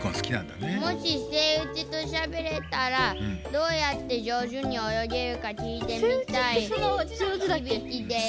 もしセイウチとしゃべれたらどうやってじょうずにおよげるかきいてみたいヒビキです。